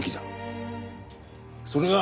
それが。